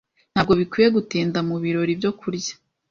Ntabwo bikwiye gutinda mu birori byo kurya.